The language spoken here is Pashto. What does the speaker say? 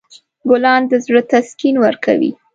ګلان د زړه تسکین ورکوي.